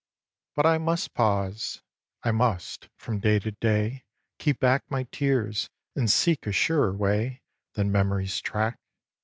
xiv. But I must pause. I must, from day to day, Keep back my tears, and seek a surer way Than Memory's track.